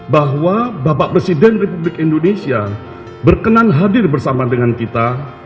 bahwa bapak presiden republik indonesia berkenan hadir bersama dengan kita